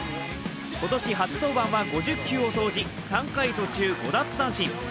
今年初登板は５０球を投じ３回途中５奪三振。